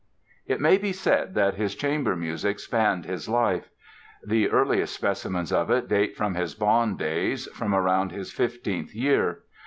It may be said that his chamber music spanned his life. The earliest specimens of it date from his Bonn days, from around his fifteenth year.